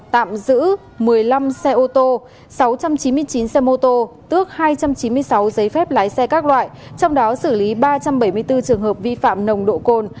tạm giữ một mươi năm xe ô tô sáu trăm chín mươi chín xe mô tô tước hai trăm chín mươi sáu giấy phép lái xe các loại trong đó xử lý ba trăm bảy mươi bốn trường hợp vi phạm nồng độ cồn